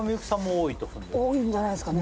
多いんじゃないですかね？